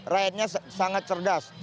rakyatnya sangat cerdas